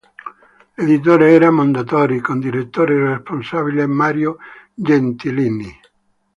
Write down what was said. L'editore era Mondadori, con Direttore Responsabile Mario Gentilini.